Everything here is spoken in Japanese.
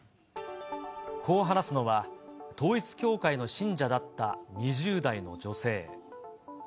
こう話すのは、統一教会の信者だった２０代の女性。